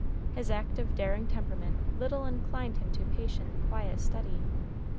His active, daring temperament little inclined him to patient, quiet study.